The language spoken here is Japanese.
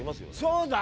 そうだ！